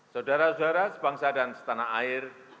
saudara saudara sebangsa dan setanah air